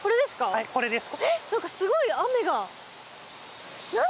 はいこれです。